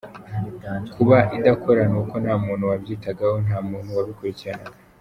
Kuba idakora ni uko nta muntu wabyitagaho, nta muntu wabikurikiranaga.